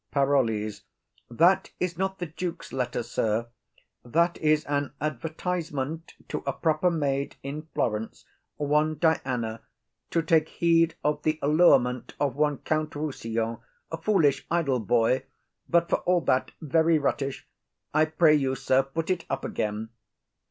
_ PAROLLES. That is not the duke's letter, sir; that is an advertisement to a proper maid in Florence, one Diana, to take heed of the allurement of one Count Rossillon, a foolish idle boy, but for all that very ruttish. I pray you, sir, put it up again.